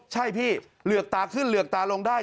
ใช่พี่เหลือกตาขึ้นเหลือกตาลงได้